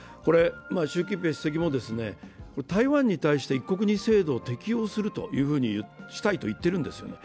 習近平主席も台湾に対して一国二制度を適用したいというふうに言っているわけですね。